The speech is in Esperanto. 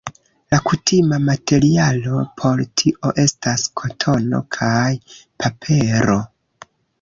La kutima materialo por tio estas kotono kaj papero.